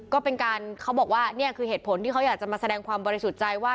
ก็เป็นการเขาบอกว่านี่คือเหตุผลที่เขาอยากจะมาแสดงความบริสุทธิ์ใจว่า